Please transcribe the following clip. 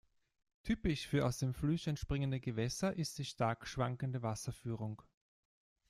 Typisch für aus dem Flysch entspringende Gewässer ist die stark schwankende Wasserführung.